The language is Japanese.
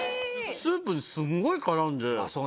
スープにすんごい絡んで。